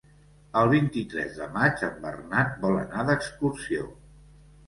El vint-i-tres de maig en Bernat vol anar d'excursió.